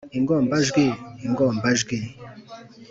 ingombajwi ingombajwi y,